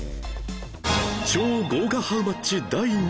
超豪華ハウマッチ第２位